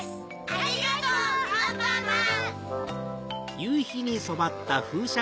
ありがとうアンパンマン！